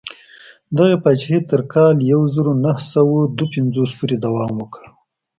دغې پاچاهۍ تر کال یو زر نهه سوه دوه پنځوس پورې دوام وکړ.